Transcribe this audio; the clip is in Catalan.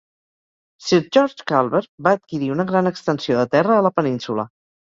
Sir George Calvert va adquirir una gran extensió de terra a la península.